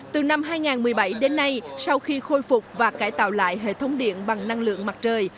từ năm hai nghìn một mươi bảy đến nay sau khi khôi phục và cải tạo lại hệ thống điện bằng năng lượng mặt trời